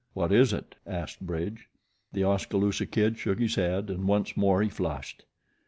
"What is it?" asked Bridge. The Oskaloosa Kid shook his head, and once more he flushed.